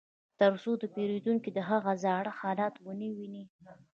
ترڅو پیرودونکي د هغه زاړه حالت ونه ویني